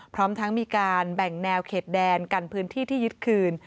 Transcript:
พร้อมทั้งมีการแบ่งแนวเขตแดนกันพื้นที่ที่ยึดคืน